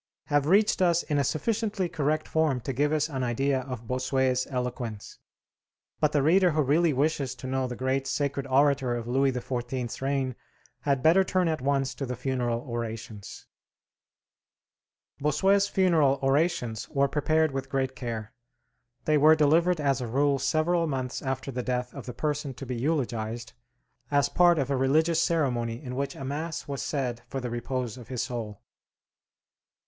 have reached us in a sufficiently correct form to give us an idea of Bossuet's eloquence: but the reader who really wishes to know the great sacred orator of Louis XIV.'s reign had better turn at once to the 'Funeral Orations.' Bossuet's funeral orations were prepared with great care. They were delivered as a rule several months after the death of the person to be eulogized, as part of a religious ceremony in which a mass was said for the repose of his soul.